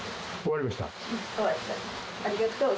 ありがとう。